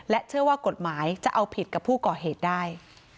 เชื่อว่ากฎหมายจะเอาผิดกับผู้ก่อเหตุได้